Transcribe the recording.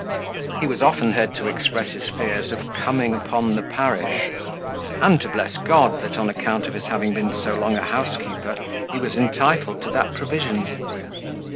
He was often heard to express his fears of coming upon the parish; and to bless God, that, on account of his having been so long a housekeeper, he was entitled to that provision.